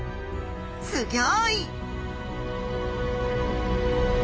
すギョい！